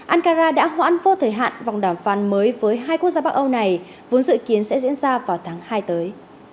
ankara đã hoãn vô thời hạn vòng đàm phán mới với hai quốc gia bắc âu này vốn dự kiến sẽ diễn ra vào tháng hai tới